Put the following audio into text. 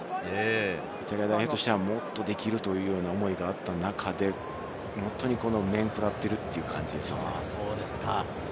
イタリア代表としては、もっとできるという思いがあった中で、面食らっているという感じですよね。